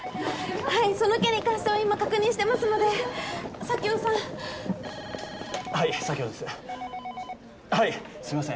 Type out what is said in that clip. はいその件に関しては今確認してますので佐京さんはい佐京ですはいすいません